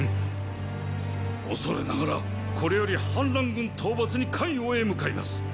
恐れながらこれより反乱軍討伐に咸陽へ向かいます！